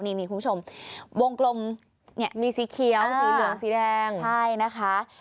นี่คุณผู้ชมวงกลมเนี่ยมีสีเขียวสีเหลืองสีแดงใช่นะคะ